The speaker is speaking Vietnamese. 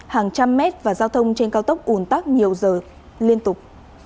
hàng trăm mét và giao thông trên cao tốc ủn tắc nhiều giờ liên tục